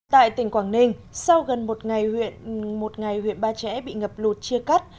tại tỉnh quảng ninh sau gần một ngày huyện ba trẻ bị ngập lụt chia cắt